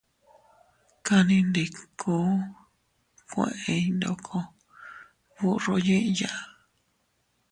Kannindiku kueʼey ndoko burro yiʼya.